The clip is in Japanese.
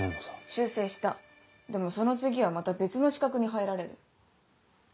修正したでもその次はまた別の死角に入られる。